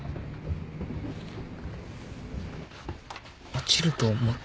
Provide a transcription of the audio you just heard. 落ちると思ってたから。